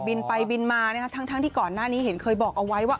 บินไปบินมานะคะทั้งที่ก่อนหน้านี้เห็นเคยบอกเอาไว้ว่า